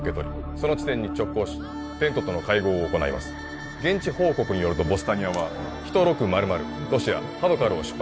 その地点に直行しテントとの会合を行います現地報告によるとヴォスタニアはヒトロクマルマルロシアハドカルを出発